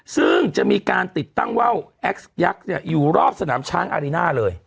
ซึ่งจะมีการติดตั้งว่าวแอ็กซ์ยักษ์อยู่รอบสนามช้างอารีน่าเลย